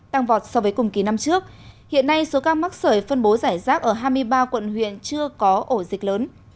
tăng vọt so với cùng kỳ năm trước hiện nay số ca mắc sởi phân bố giải rác ở hai mươi ba quận huyện chưa có ổ dịch lớn